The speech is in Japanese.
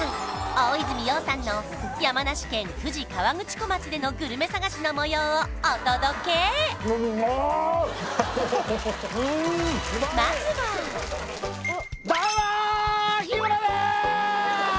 大泉洋さんの山梨県富士河口湖町でのグルメ探しのもようをお届けどうも日村です！